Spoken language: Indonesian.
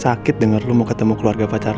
sakit denger lo mau ketemu keluarga pacar lo